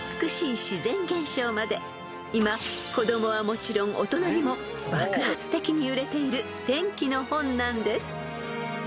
［今子供はもちろん大人にも爆発的に売れている天気の本なんです］